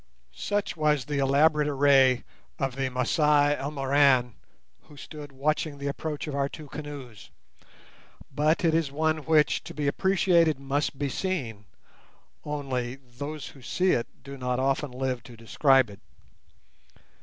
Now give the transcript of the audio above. Such was the elaborate array of the Masai Elmoran who stood watching the approach of our two canoes, but it is one which, to be appreciated, must be seen; only those who see it do not often live to describe it.